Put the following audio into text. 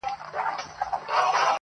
هغه مي سرې سترگي زغملای نسي.